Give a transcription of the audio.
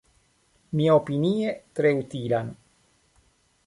Miaopinie tre utilan.